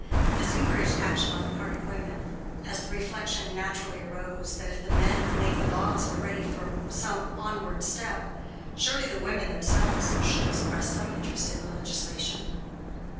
This encouraged action on the part of women, as the reflection naturally arose that, if the men who make the laws were ready for some onward step, surely the women themselves should express some interest in the legislation.